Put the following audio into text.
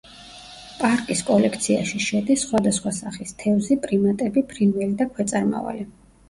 პარკის კოლექციაში შედის სხვადასხვა სახის თევზი, პრიმატები, ფრინველი და ქვეწარმავალი.